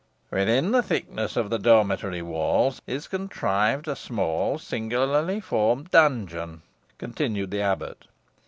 "Within the thickness of the dormitory walls is contrived a small singularly formed dungeon," continued the abbot.